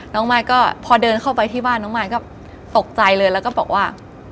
มายก็พอเดินเข้าไปที่บ้านน้องมายก็ตกใจเลยแล้วก็บอกว่า